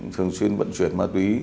thường xuyên bận chuyển ma túy